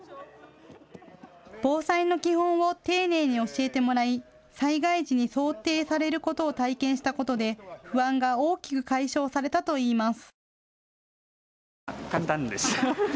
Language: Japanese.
防災の基本を丁寧に教えてもらい災害時に想定されることを体験したことで不安が大きく解消されたといいます。